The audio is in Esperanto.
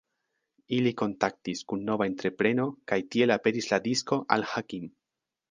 Ili kontaktis kun nova entrepreno kaj tiel aperis la disko "Al-Hakim".